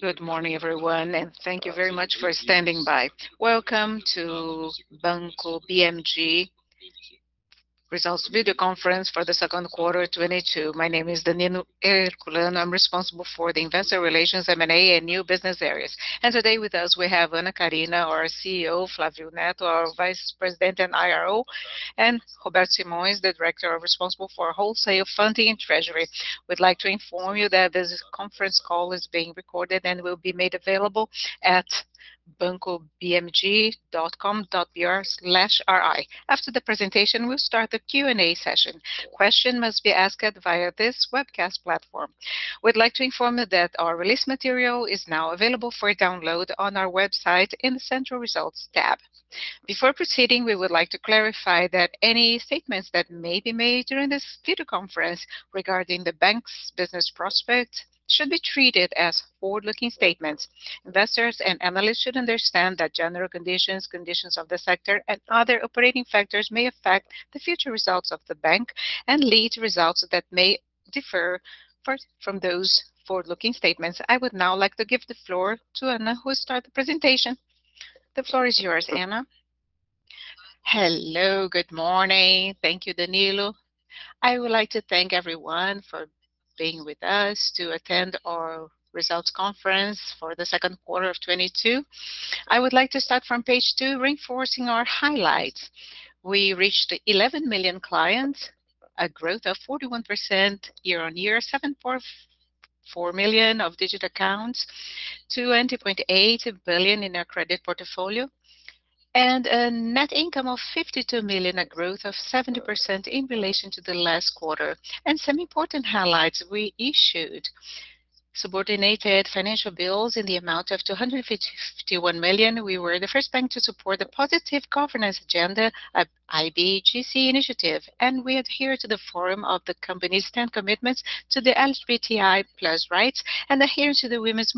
Good morning, everyone, thank you very much for standing by. Welcome to Banco BMG Results Video Conference for the second quarter, 2022. My name is Danilo Herculano. I'm responsible for the investor relations, M&A, and new business areas. Today with us we have Ana Karina, our CEO, Flavio Neto, our Vice President and IRO, and Roberto Simoes, the Director responsible for wholesale funding and treasury. We'd like to inform you that this conference call is being recorded and will be made available at bancobmg.com.br/ri. After the presentation, we'll start the Q&A session. Questions must be asked via this webcast platform. We'd like to inform you that our release material is now available for download on our website in the Central Results tab. Before proceeding, we would like to clarify that any statements that may be made during this video conference regarding the bank's business prospect should be treated as forward-looking statements. Investors and analysts should understand that general conditions of the sector, and other operating factors may affect the future results of the bank and lead to results that may differ from those forward-looking statements. I would now like to give the floor to Ana, who will start the presentation. The floor is yours, Ana. Hello, good morning. Thank you, Danilo. I would like to thank everyone for being with us to attend our results conference for the second quarter of 2022. I would like to start from page 2, reinforcing our highlights. We reached 11 million clients, a growth of 41% year-on-year. 7.4 million of digit accounts. 2.8 billion in our credit portfolio. A net income of 52 million, a growth of 70% in relation to the last quarter. Some important highlights. We issued subordinated financial bills in the amount of 251 million. We were the first bank to support the positive governance agenda at IBGC initiative. We adhere to the forum of the company's 10 commitments to the LGBTI+ rights and adhere to the Women's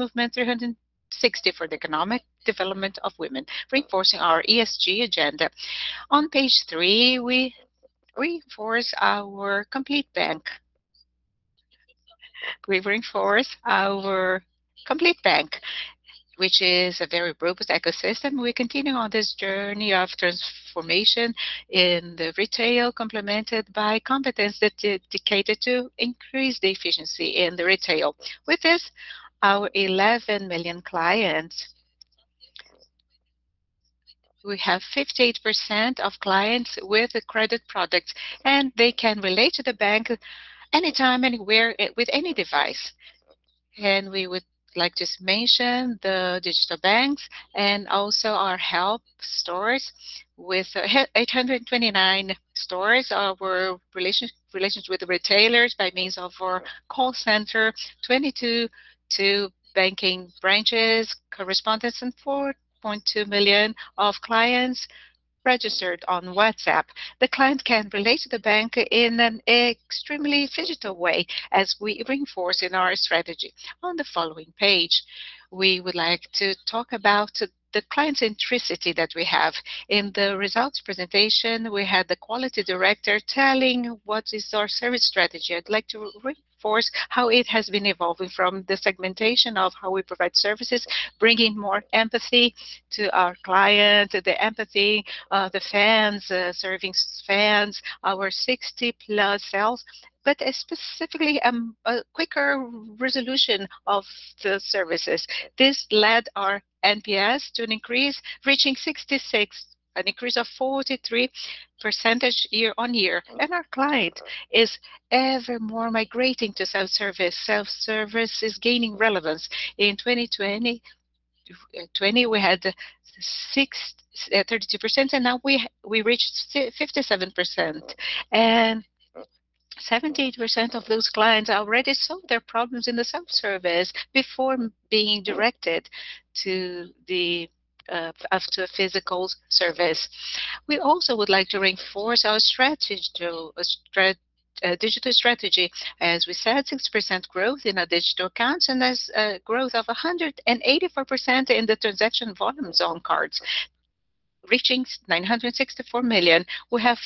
Movement 360 for the economic development of women, reinforcing our ESG agenda. On page 3, we reinforce our complete bank. We reinforce our complete bank, which is a very robust ecosystem. We continue on this journey of transformation in the retail, complemented by competence dedicated to increase the efficiency in the retail. With this, our 11 million clients. We have 58% of clients with a credit product, and they can relate to the bank anytime, anywhere, with any device. We would like to mention the digital banks and also our help stores. With 829 stores, our relations with the retailers by means of our call center, 22 banking branches, correspondents, and 4.2 million clients registered on WhatsApp. The client can relate to the bank in an extremely digital way, as we reinforce in our strategy. On the following page, we would like to talk about the client centricity that we have. In the results presentation, we had the quality director telling what is our service strategy. I'd like to reinforce how it has been evolving from the segmentation of how we provide services, bringing more empathy to our client, the empathy, the fans, serving fans, our 60-plus cells. Specifically, a quicker resolution of the services. This led our NPS to an increase, reaching 66, an increase of 43% year-over-year. Our client is ever more migrating to self-service. Self-service is gaining relevance. In 2020 we had 32%, now we reached 57%. 78% of those clients already solved their problems in the self-service before being directed to the, after a physical service. We also would like to reinforce our digital strategy. As we said, 6% growth in our digital accounts, there's a growth of 184% in the transaction volume on cards, reaching 964 million. We have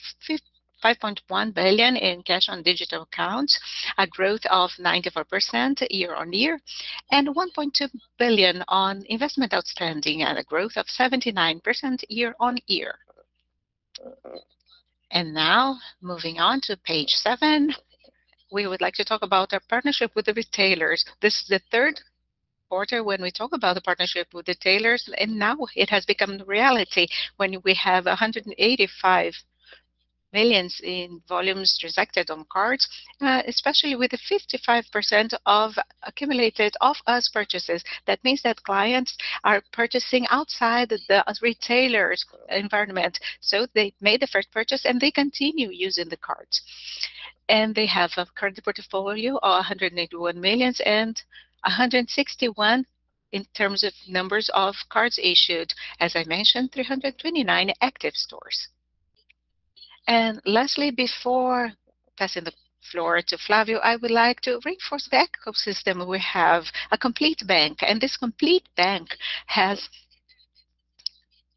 5.1 billion in cash on digital accounts, a growth of 94% year-on-year, and 1.2 billion on investment outstanding at a growth of 79% year-on-year. Now moving on to page seven, we would like to talk about our partnership with the retailers. This is the third quarter when we talk about the partnership with retailers, now it has become reality when we have 185 million in volumes transacted on cards, especially with the 55% of accumulated off-us purchases. That means that clients are purchasing outside the our retailers environment. They made the first purchase, they continue using the cards. They have a current portfolio of 181 million and 161 in terms of numbers of cards issued. As I mentioned, 329 active stores. Lastly, before passing the floor to Flávio, I would like to reinforce the ecosystem. We have a complete bank, this complete bank has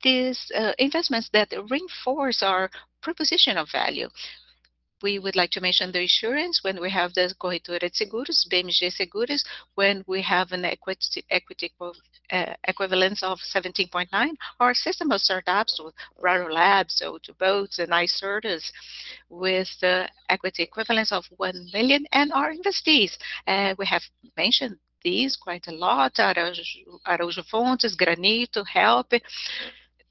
these investments that reinforce our proposition of value. We would like to mention the insurance when we have those BMG Corretora de Seguros, BMG Seguros, when we have an equity equivalence of 17.9. Our system of startups with Rural Labs, O2OBOTS, and Icertis with the equity equivalence of 1 million and our investees. We have mentioned these quite a lot. Araújo Fontes, Granito.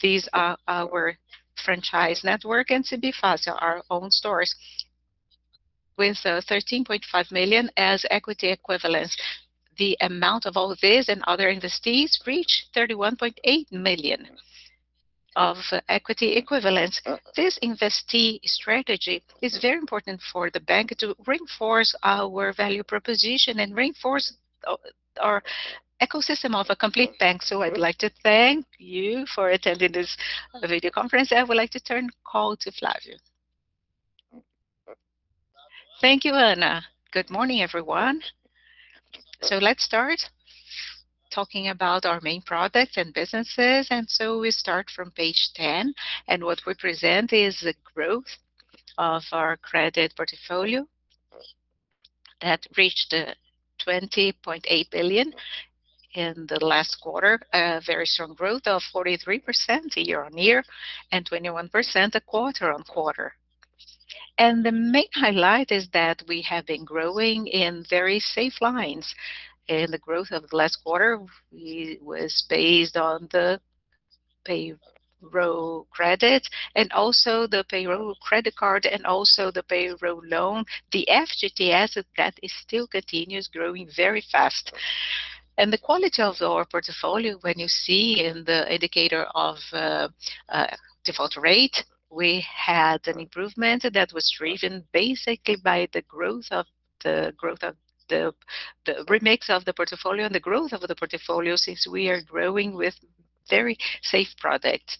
These are our franchise network and CBF, our own stores with 13.5 million as equity equivalence. The amount of all this and other investees reach 31.8 million of equity equivalence. This investee strategy is very important for Banco BMG to reinforce our value proposition and reinforce our ecosystem of a complete bank. I'd like to thank you for attending this video conference, and I would like to turn call to Flávio. Thank you, Ana. Good morning, everyone. Let's start talking about our main products and businesses. We start from page 10, and what we present is the growth of our credit portfolio that reached 20.8 billion in the last quarter. A very strong growth of 43% year-on-year and 21% quarter-on-quarter. The main highlight is that we have been growing in very safe lines. The growth of last quarter was based on the payroll credit and also the Payroll Credit Card and also the Payroll Loan. The FGTS, that is still continuous growing very fast. The quality of our portfolio when you see in the indicator of default rate, we had an improvement that was driven basically by the remix of the portfolio and the growth of the portfolio since we are growing with very safe products.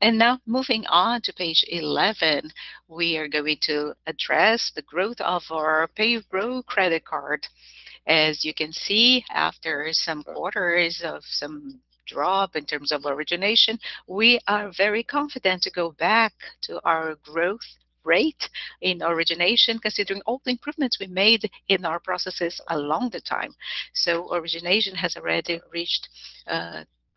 Now moving on to page 11, we are going to address the growth of our Payroll Credit Card. As you can see, after some quarters of some drop in terms of origination, we are very confident to go back to our growth rate in origination considering all the improvements we made in our processes along the time. Origination has already reached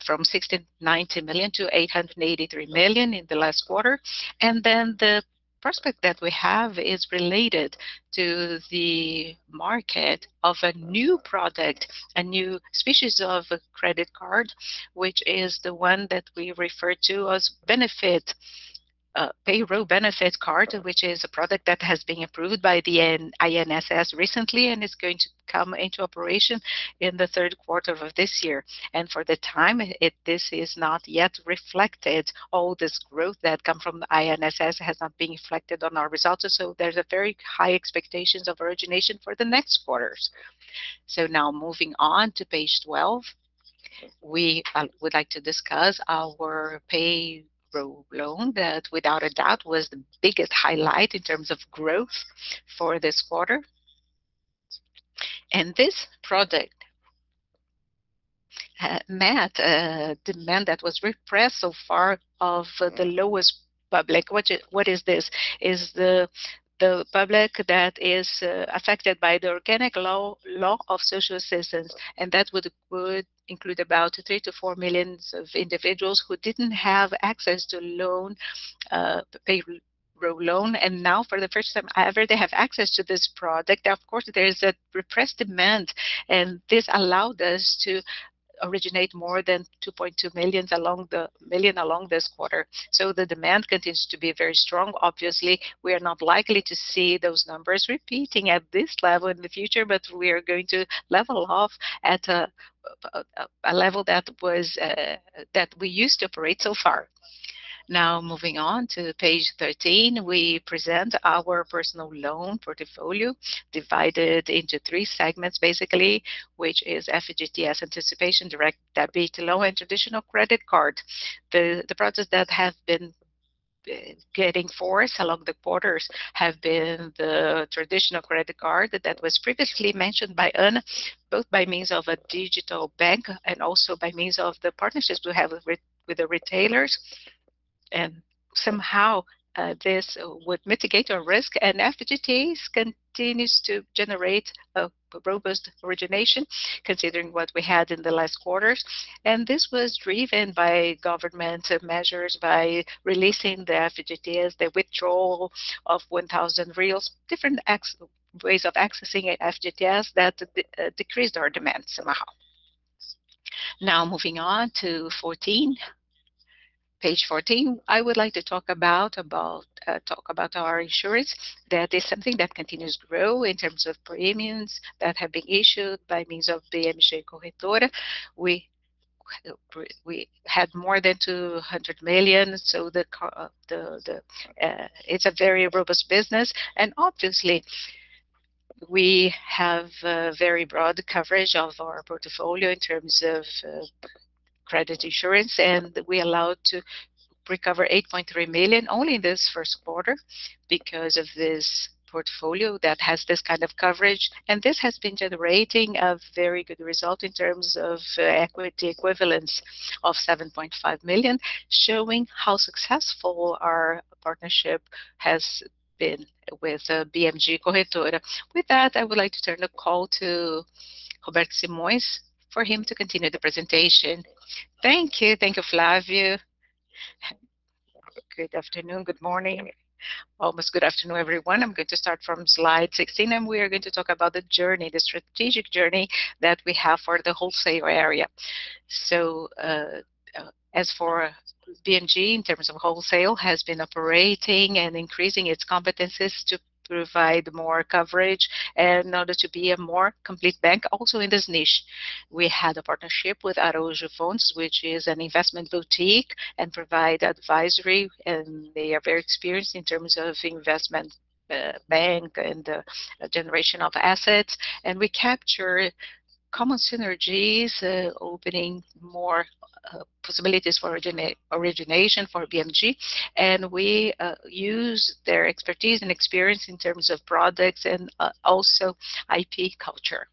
from 690 million-883 million in the last quarter. The prospect that we have is related to the market of a new product, a new species of credit card, which is the one that we refer to as Payroll Benefit Card, which is a product that has been approved by the INSS recently and is going to come into operation in the third quarter of this year. For the time, this is not yet reflected. All this growth that come from the INSS has not been reflected on our results. There's a very high expectations of origination for the next quarters. Moving on to page 12, we would like to discuss our Payroll Loan that without a doubt was the biggest highlight in terms of growth for this quarter. This product had demand that was repressed so far of the lowest public. What is this? The public that is affected by the Organic Law of Social Assistance, and that would include about 3 million to 4 million individuals who didn't have access to Payroll Loan. Now for the first time ever, they have access to this product. Of course, there is a repressed demand, this allowed us to originate more than 2.2 million along this quarter. The demand continues to be very strong. Obviously, we are not likely to see those numbers repeating at this level in the future, we are going to level off at a level that was that we used to operate so far. Moving on to page 13, we present our personal loan portfolio divided into 3 segments basically, which is FGTS Anticipation, Direct Debit Loan, and traditional credit card. The products that have been gaining force along the quarters have been the traditional credit card that was previously mentioned by Ana, both by means of a digital bank and also by means of the partnerships we have with the retailers. Somehow, this would mitigate our risk. FGTS continues to generate a robust origination considering what we had in the last quarters. This was driven by government measures by releasing the FGTS, the withdrawal of 1,000, different ways of accessing FGTS that decreased our demand somehow. Now moving on to 14. Page 14, I would like to talk about our insurance. That is something that continues to grow in terms of premiums that have been issued by means of BMG Corretora. We had more than 200 million. It's a very robust business. Obviously we have a very broad coverage of our portfolio in terms of credit insurance, and we allowed to recover 8.3 million only in this 1st quarter because of this portfolio that has this kind of coverage. This has been generating a very good result in terms of equity equivalence of 7.5 million, showing how successful our partnership has been with BMG Corretora. With that, I would like to turn the call to Roberto Simoes for him to continue the presentation. Thank you. Thank you, Flavio. Good afternoon, good morning. Almost good afternoon, everyone. I'm going to start from slide 16, and we are going to talk about the journey, the strategic journey that we have for the wholesale area. As for BMG in terms of wholesale, has been operating and increasing its competencies to provide more coverage in order to be a more complete bank also in this niche. We had a partnership with Araújo Fontes, which is an investment boutique and provide advisory, and they are very experienced in terms of investment bank and generation of assets. We capture common synergies, opening more possibilities for origination for BMG. We use their expertise and experience in terms of products and also IP culture.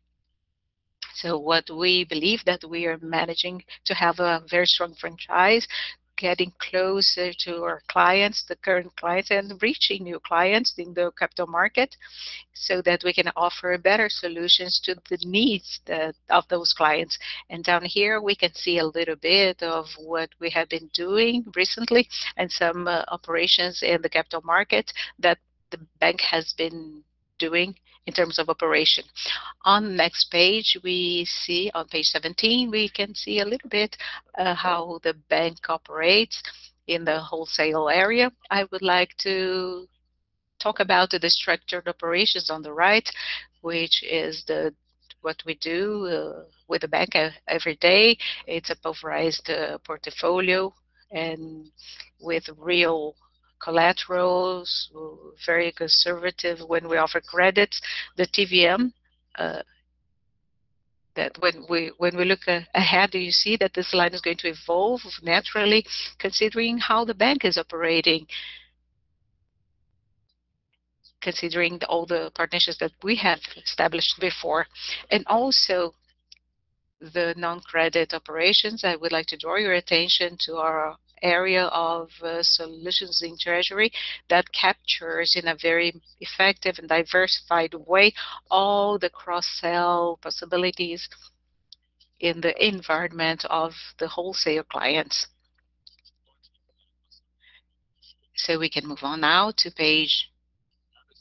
What we believe that we are managing to have a very strong franchise, getting closer to our clients, the current clients, and reaching new clients in the capital market so that we can offer better solutions to the needs of those clients. Down here, we can see a little bit of what we have been doing recently and some operations in the capital market that the bank has been doing in terms of operation. On next page, on page 17, we can see a little bit how the bank operates in the wholesale area. I would like to talk about the structured operations on the right, which is what we do with the bank every day. It's a pulverized portfolio and with real collaterals. We're very conservative when we offer credits. The TVM that when we look ahead, you see that the slide is going to evolve naturally considering how the bank is operating. Considering all the partnerships that we have established before. Also the non-credit operations. I would like to draw your attention to our area of solutions in treasury that captures, in a very effective and diversified way, all the cross-sell possibilities in the environment of the wholesale clients. We can move on now to page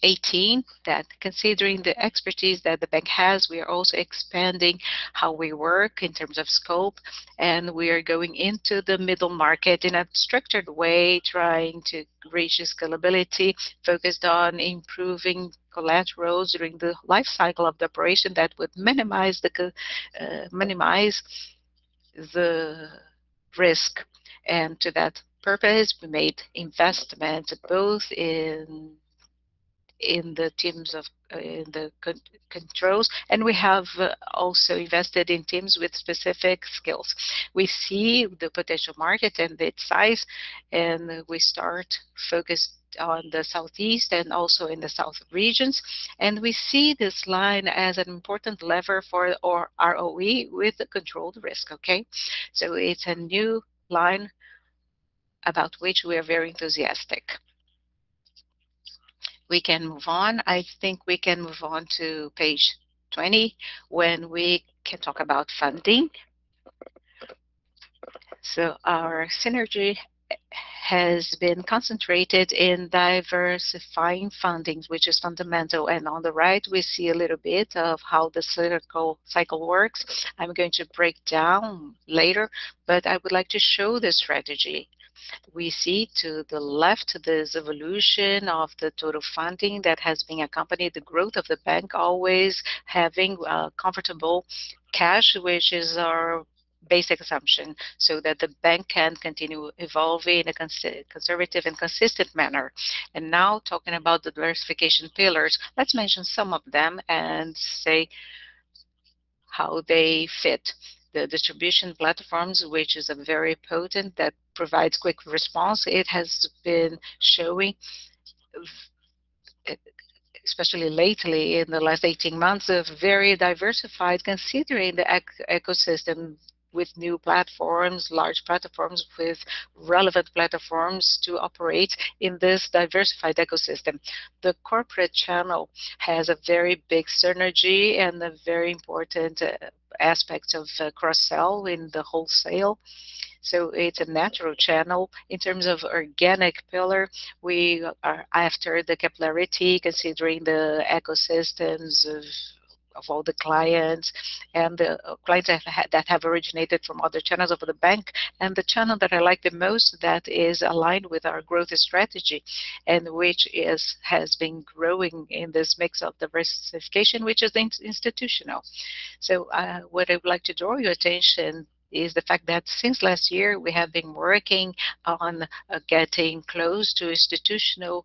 18. That considering the expertise that the bank has, we are also expanding how we work in terms of scope. We are going into the middle market in a structured way, trying to reach scalability focused on improving collaterals during the life cycle of the operation that would minimize the risk. To that purpose, we made investments both in the teams of controls, and we have also invested in teams with specific skills. We see the potential market and its size, we start focused on the southeast and also in the south regions. We see this line as an important lever for our ROE with a controlled risk. Okay. It's a new line about which we are very enthusiastic. We can move on. I think we can move on to page 20 when we can talk about funding. Our synergy has been concentrated in diversifying fundings, which is fundamental. On the right, we see a little bit of how the cyclical cycle works. I'm going to break down later, but I would like to show the strategy. We see to the left this evolution of the total funding that has been accompanied the growth of the bank, always having comfortable cash, which is our basic assumption, so that the bank can continue evolving in a conservative and consistent manner. Now talking about the diversification pillars, let's mention some of them and say how they fit. The distribution platforms, which is a very potent that provides quick response. It has been showing, especially lately in the last 18 months, a very diversified considering the ecosystem with new platforms, large platforms, with relevant platforms to operate in this diversified ecosystem. The corporate channel has a very big synergy and a very important aspect of cross-sell in the wholesale, so it's a natural channel. In terms of organic pillar, we are after the capillarity considering the ecosystems of all the clients and the clients that have originated from other channels of the bank. The channel that I like the most that is aligned with our growth strategy and has been growing in this mix of diversification, which is institutional. What I would like to draw your attention is the fact that since last year we have been working on getting close to institutional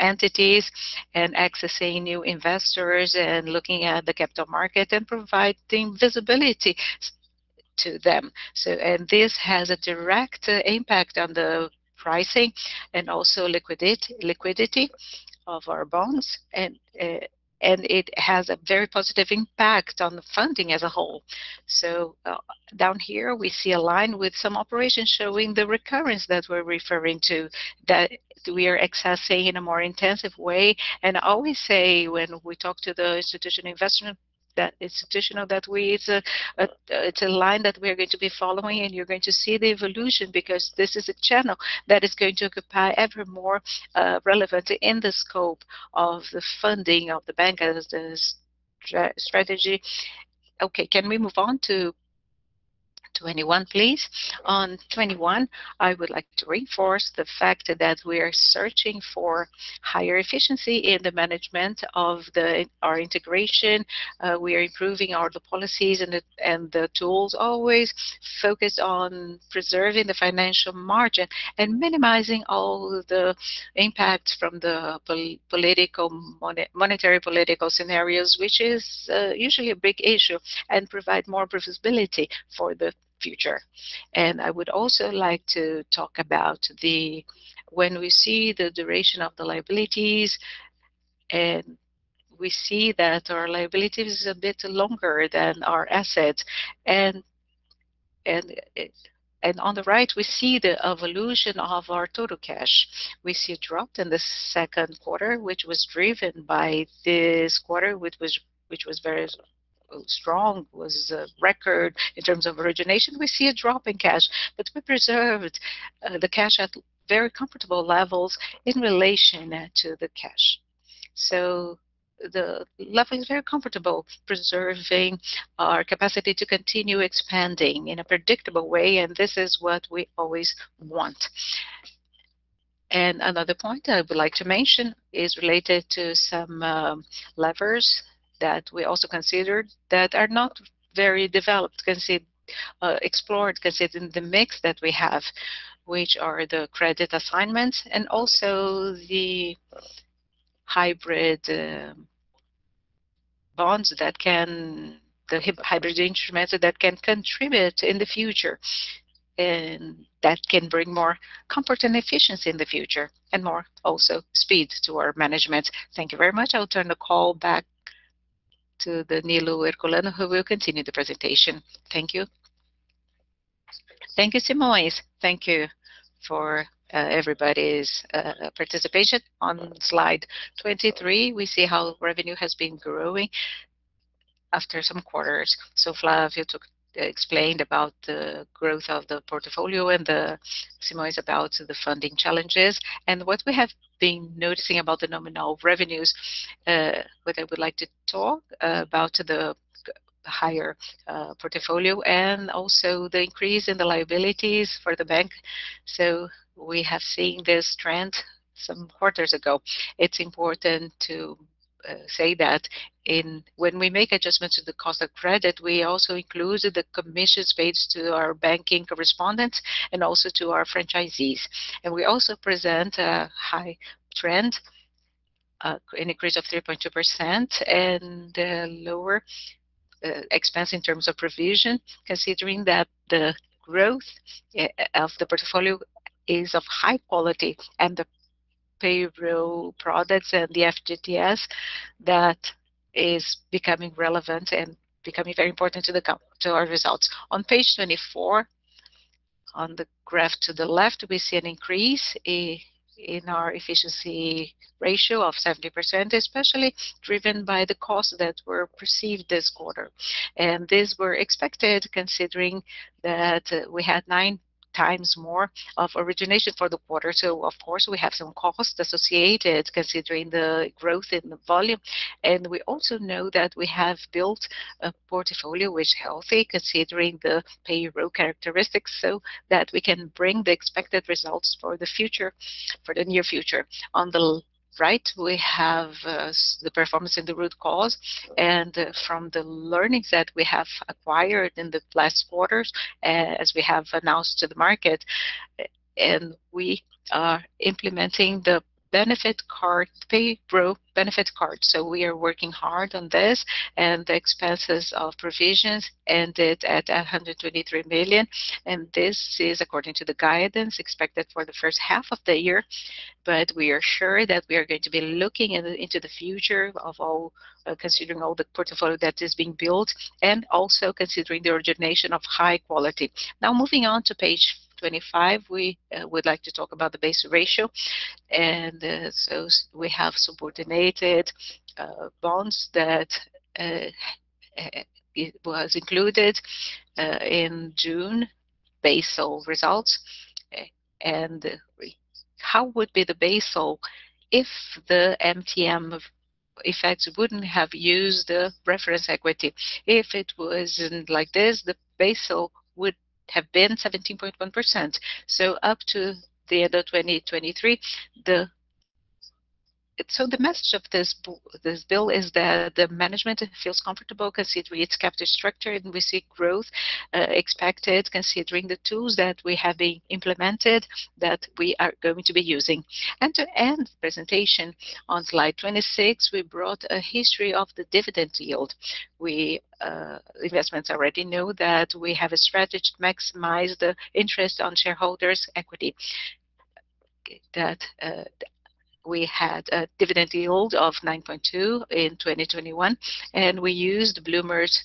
entities and accessing new investors and looking at the capital market and providing visibility to them. This has a direct impact on the pricing and also liquidity of our bonds. It has a very positive impact on the funding as a whole. Down here we see a line with some operations showing the recurrence that we're referring to that we are accessing in a more intensive way. I always say when we talk to the institutional investment that institutional it's a line that we are going to be following and you are going to see the evolution because this is a channel that is going to occupy evermore relevance in the scope of the funding of the bank as a strategy. Okay, can we move on to 21, please? On 21, I would like to reinforce the fact that we are searching for higher efficiency in the management of our integration. We are improving our policies and the tools always focus on preserving the financial margin and minimizing all the impacts from the political, monetary political scenarios, which is usually a big issue, and provide more predictability for the future. I would also like to talk about the-- when we see the duration of the liabilities, and we see that our liabilities is a bit longer than our assets. On the right, we see the evolution of our total cash. We see a drop in the second quarter, which was driven by this quarter, which was very strong, was a record in terms of origination. We see a drop in cash, but we preserved the cash at very comfortable levels in relation to the cash. The level is very comfortable preserving our capacity to continue expanding in a predictable way. This is what we always want. Another point I would like to mention is related to some levers that we also considered that are not very developed, explored, considered in the mix that we have, which are the credit assignments and also the hybrid bonds that can the hybrid instruments that can contribute in the future, and that can bring more comfort and efficiency in the future and more also speed to our management. Thank you very much. I'll turn the call back to Danilo Herculano, who will continue the presentation. Thank you. Thank you, Simoes. Thank you for everybody's participation. On slide 23, we see how revenue has been growing after some quarters. Flavio explained about the growth of the portfolio and Simoes about the funding challenges. What we have been noticing about the nominal revenues, what I would like to talk about the higher portfolio and also the increase in the liabilities for Banco BMG. We have seen this trend some quarters ago. It's important to say that when we make adjustments to the cost of credit, we also include the commissions paid to our banking correspondents and also to our franchisees. We also present a high trend, an increase of 3.2% and a lower expense in terms of provision, considering that the growth of the portfolio is of high quality and the payroll products and the FGTS that is becoming relevant and becoming very important to our results. On page 24, on the graph to the left, we see an increase in our efficiency ratio of 70%, especially driven by the costs that were perceived this quarter. These were expected considering that we had 9 times more of origination for the quarter. Of course, we have some costs associated considering the growth in the volume. We also know that we have built a portfolio which is healthy considering the payroll characteristics, so that we can bring the expected results for the near future. On the right, we have the performance and the root cause, and from the learnings that we have acquired in the last quarters, as we have announced to the market, and we are implementing the Payroll Benefit Card. We are working hard on this and the expenses of provisions ended at 123 million. This is according to the guidance expected for the first half of the year. We are sure that we are going to be looking into the future of all, considering all the portfolio that is being built and also considering the origination of high quality. Moving on to page 25, we would like to talk about the Basel ratio. We have subordinated bonds that it was included in June Basel results. How would be the Basel if the MTM effects wouldn't have used the reference equity? If it wasn't like this, the Basel would have been 17.1%. The message of this bill is that the management feels comfortable considering its capital structured and we see growth expected considering the tools that we have implemented that we are going to be using. To end the presentation on slide 26, we brought a history of the dividend yield. We investors already know that we have a strategy to maximize the interest on shareholders' equity. We had a dividend yield of 9.2% in 2021, and we used Bloomberg's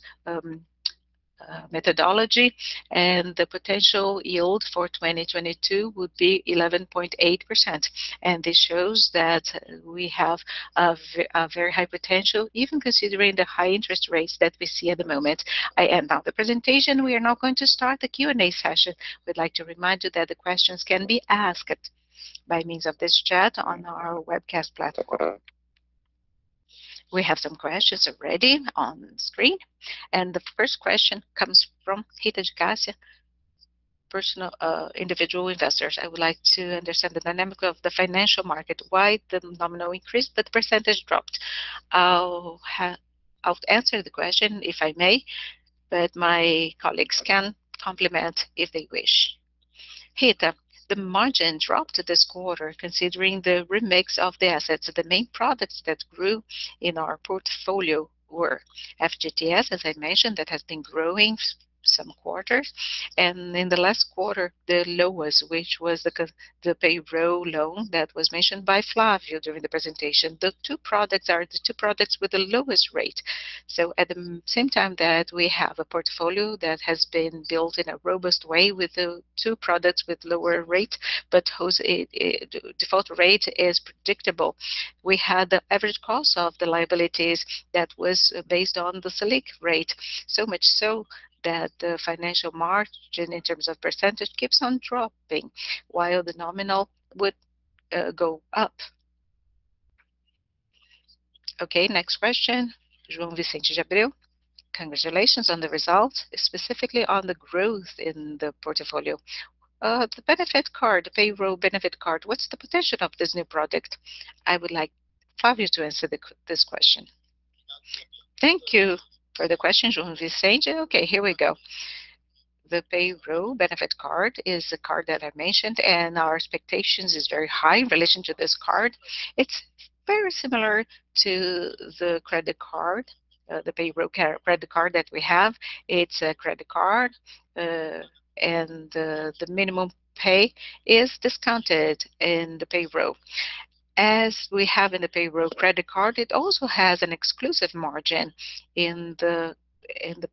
methodology, and the potential yield for 2022 would be 11.8%. This shows that we have a very high potential, even considering the high interest rates that we see at the moment. I end now the presentation. We are now going to start the Q&A session. We'd like to remind you that the questions can be asked by means of this chat on our webcast platform. We have some questions already on screen. The first question comes from Rita Garcia. "Personal, individual investors, I would like to understand the dynamic of the financial market. Why the nominal increased but percentage dropped?" I'll answer the question if I may, but my colleagues can complement if they wish. Rita, the margin dropped this quarter considering the remix of the assets. The main products that grew in our portfolio were FGTS, as I mentioned, that has been growing some quarters. In the last quarter, the lowest, which was the Payroll Loan that was mentioned by Flavio during the presentation. The two products are the two products with the lowest rate. At the same time that we have a portfolio that has been built in a robust way with the two products with lower rate, but whose default rate is predictable. We had the average cost of the liabilities that was based on the Selic rate, so much so that the financial margin in terms of percentage keeps on dropping while the nominal would go up. Okay, next question. João Abreu, "Congratulations on the results. Specifically on the growth in the portfolio. The Payroll Benefit Card, the Payroll Benefit Card, what's the potential of this new product?" I would like Flavio to answer this question. Thank you for the question, João Abreu. Okay, here we go. The Payroll Benefit Card is the card that I mentioned, and our expectations is very high in relation to this card. It's very similar to the credit card, the Payroll Credit Card that we have. It's a credit card, and the minimum pay is discounted in the payroll. As we have in the Payroll Credit Card, it also has an exclusive margin in the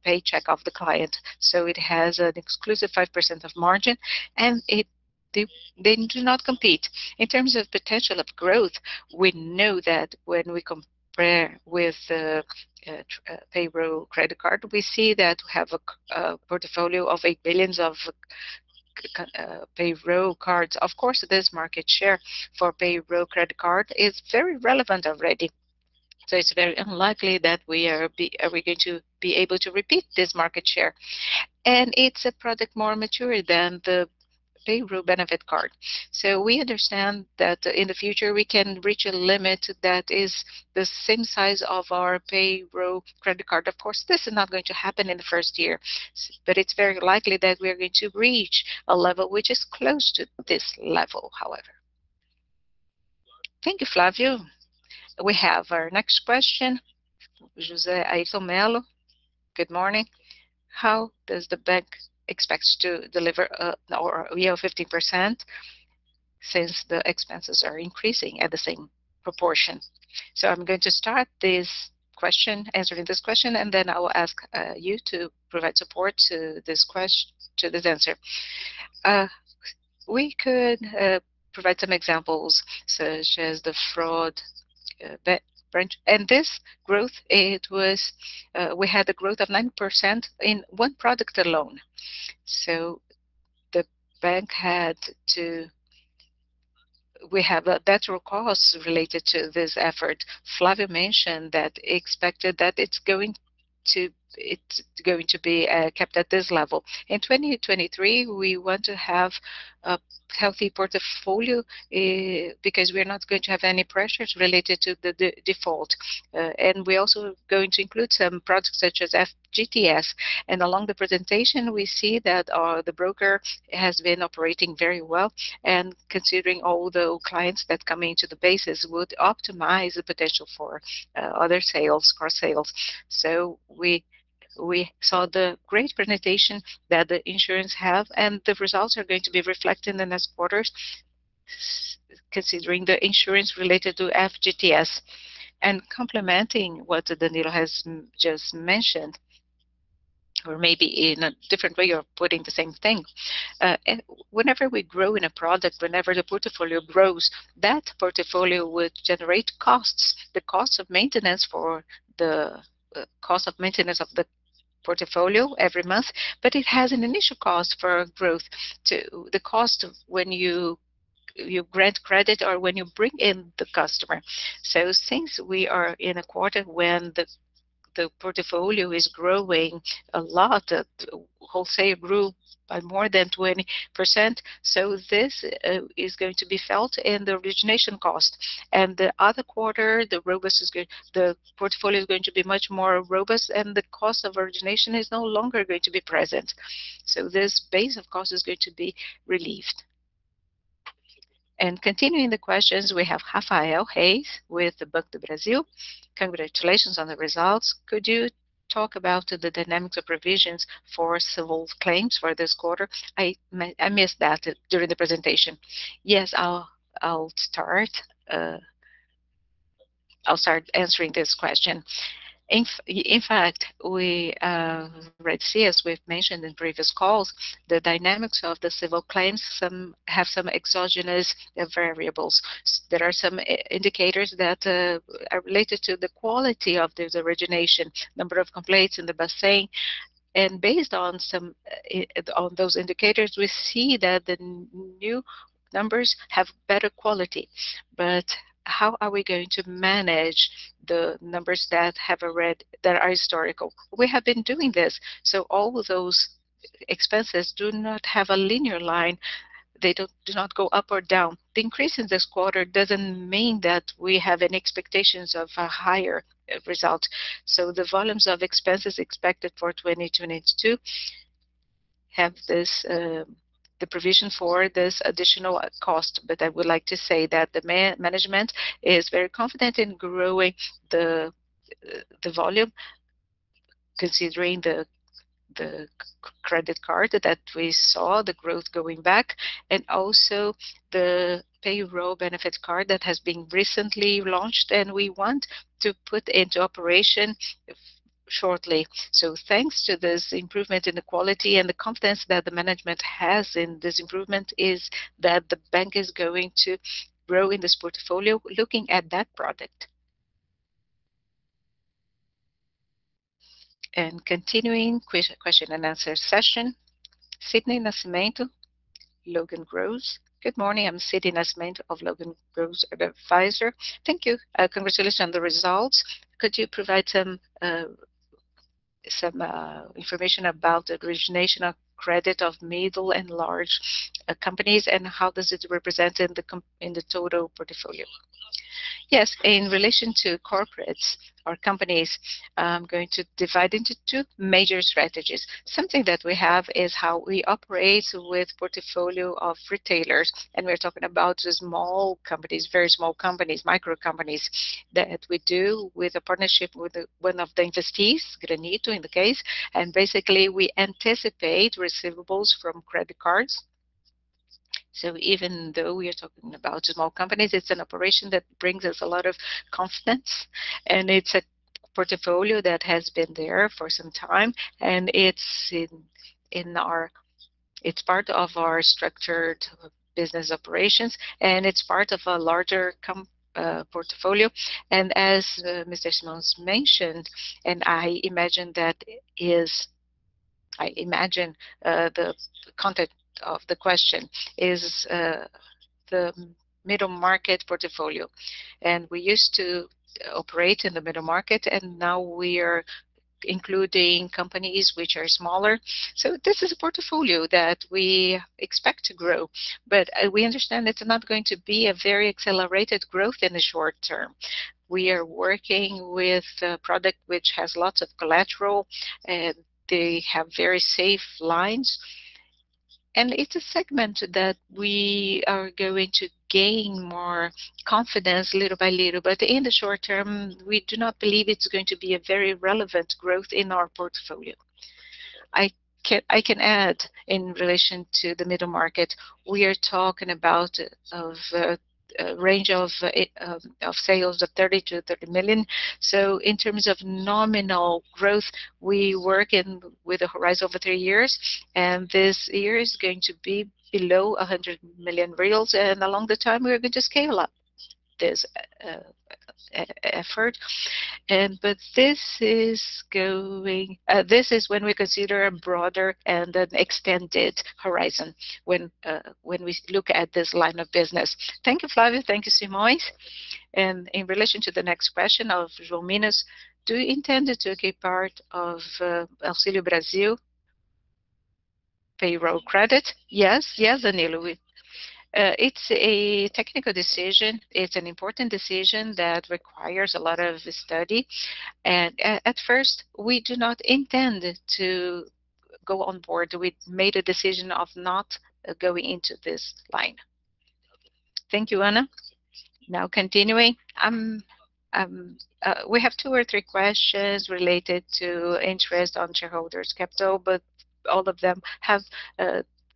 paycheck of the client. It has an exclusive 5% of margin, and they do not compete. In terms of potential of growth, we know that when we compare with the Payroll Credit Card, we see that we have a portfolio of 8 billion of payroll cards. Of course, this market share for Payroll Credit Card is very relevant already. It's very unlikely that we are going to be able to repeat this market share. It's a product more mature than the Payroll Benefit Card. We understand that in the future we can reach a limit that is the same size of our Payroll Credit Card. Of course, this is not going to happen in the first year, but it's very likely that we are going to reach a level which is close to this level, however. Thank you, Flavio. We have our next question. José Ailtonelo. "Good morning. How does the bank expects to deliver ROE 50% since the expenses are increasing at the same proportion?" I'm going to start this question, answering this question, and then I will ask you to provide support to this answer. We could provide some examples such as the fraud branch. This growth, it was, we had a growth of 9% in one product alone. The bank had to We have better costs related to this effort. Flavio mentioned that he expected that it's going to be kept at this level. In 2023, we want to have a healthy portfolio because we're not going to have any pressures related to the default. We're also going to include some products such as FGTS. Along the presentation, we see that the broker has been operating very well. Considering all the clients that come into the bases would optimize the potential for other sales, car sales. We saw the great presentation that the insurance have, and the results are going to be reflected in the next quarters considering the insurance related to FGTS. Complementing what Danilo has just mentioned, or maybe in a different way of putting the same thing, whenever we grow in a product, whenever the portfolio grows, that portfolio would generate costs, the cost of maintenance for the cost of maintenance of the portfolio every month. It has an initial cost for growth to. The cost of when you grant credit or when you bring in the customer. Since we are in a quarter when the portfolio is growing a lot. Wholesale grew by more than 20%, this is going to be felt in the origination cost. The other quarter, the portfolio is going to be much more robust, the cost of origination is no longer going to be present. This base of cost is going to be relieved. Continuing the questions we have Rafael Reis with the Banco do Brasil. "Congratulations on the results. Could you talk about the dynamics of provisions for civil claims for this quarter? I missed that during the presentation." Yes, I'll start. I'll start answering this question. In fact, we see, as we've mentioned in previous calls, the dynamics of the civil claims have some exogenous variables. There are some indicators that are related to the quality of this origination, number of complaints in the, Based on some, on those indicators, we see that the new numbers have better quality. How are we going to manage the numbers that are historical? We have been doing this, all of those expenses do not have a linear line. They do not go up or down. The increase in this quarter doesn't mean that we have any expectations of a higher result. The volumes of expenses expected for 2022 have this, the provision for this additional cost. I would like to say that the management is very confident in growing the volume considering the credit card that we saw, the growth going back, and also the Payroll Benefit Card that has been recently launched and we want to put into operation shortly. Thanks to this improvement in the quality and the confidence that the management has in this improvement is that the bank is going to grow in this portfolio looking at that product. Continuing question and answer session. Sydney Nascimento, Logan Groves. Good morning, I'm Sydney Nascimento of Logan Groves Advisor. Thank you. Congratulations on the results. Could you provide some information about the origination of credit of middle and large companies, and how does it represent in the total portfolio? Yes, in relation to corporates or companies, I'm going to divide into two major strategies. Something that we have is how we operate with portfolio of retailers, we're talking about small companies, very small companies, micro companies that we do with a partnership with one of the investees, Granito in the case. Basically, we anticipate receivables from credit cards. Even though we are talking about small companies, it's an operation that brings us a lot of confidence, it's a portfolio that has been there for some time, it's in our, it's part of our structured business operations, it's part of a larger portfolio. As Mr. Simões mentioned, I imagine that is I imagine the content of the question is the middle market portfolio. We used to operate in the middle market, now we are including companies which are smaller. This is a portfolio that we expect to grow, but we understand it's not going to be a very accelerated growth in the short term. We are working with a product which has lots of collateral, and they have very safe lines. It's a segment that we are going to gain more confidence little by little. In the short term, we do not believe it's going to be a very relevant growth in our portfolio. I can add in relation to the middle market, we are talking about of a range of sales of 30 million-30 million. In terms of nominal growth, we work in with a horizon of 3 years, this year is going to be below 100 million, along the time, we are going to scale up this effort. This is when we consider a broader and an extended horizon when we look at this line of business. Thank you, Flavio. Thank you, Simões. In relation to the next question of Rominas, "Do you intend to take part of Auxílio Brasil Payroll Credit?" Yes. Yes, Danilo. It's a technical decision. It's an important decision that requires a lot of study. At first, we do not intend to go on board. We made a decision of not going into this line. Thank you, Anna. Now continuing. We have two or three questions related to interest on shareholders' equity, all of them have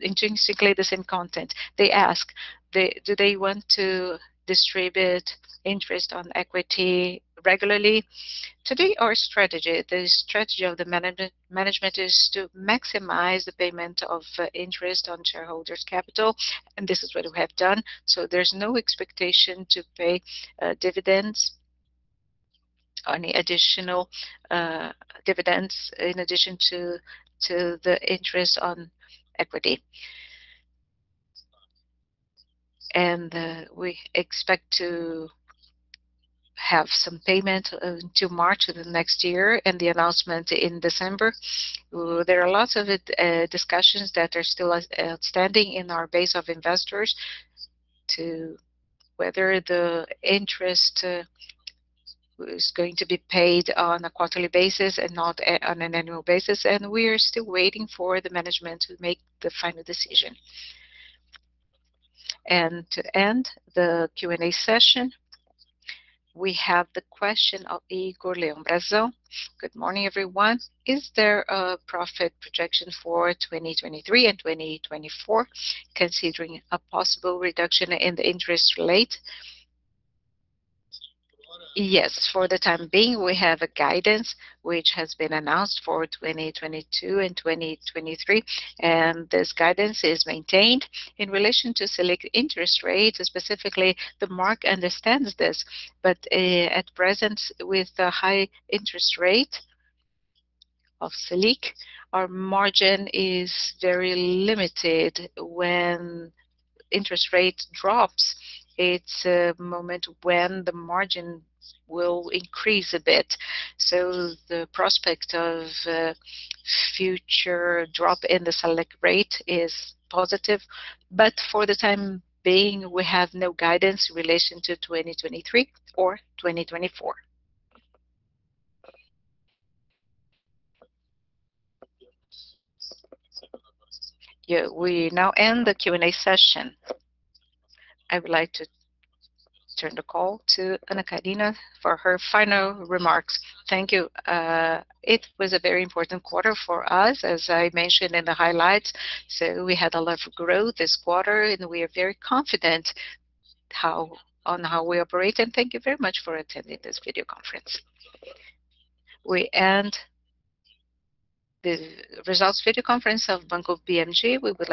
intrinsically the same content. They ask, do they want to distribute interest on shareholders' equity regularly? Today, our strategy, the strategy of the management is to maximize the payment of interest on shareholders' equity, this is what we have done. There's no expectation to pay dividends, any additional dividends in addition to the interest on shareholders' equity. We expect to have some payment to March of the next year and the announcement in December. There are lots of discussions that are still out-outstanding in our base of investors to whether the interest is going to be paid on a quarterly basis and not on an annual basis. We are still waiting for the management to make the final decision. To end the Q&A session, we have the question of Igor Leambresso. Good morning, everyone. Is there a profit projection for 2023 and 2024 considering a possible reduction in the interest rate? Yes. For the time being, we have a guidance which has been announced for 2022 and 2023. This guidance is maintained. In relation to Selic interest rates, specifically the mark understands this. At present, with the high interest rate of Selic, our margin is very limited. When interest rate drops, it's a moment when the margin will increase a bit. The prospect of a future drop in the Selic rate is positive. For the time being, we have no guidance in relation to 2023 or 2024. Yeah. We now end the Q&A session. I would like to turn the call to Ana Karina Bortoni Dias for her final remarks. Thank you. It was a very important quarter for us, as I mentioned in the highlights. We had a lot of growth this quarter, and we are very confident on how we operate. Thank you very much for attending this video conference. We end the results video conference of Banco BMG. We will